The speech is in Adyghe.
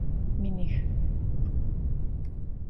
Миних.